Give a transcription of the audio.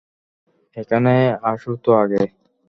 এখানে আসো তো আগে।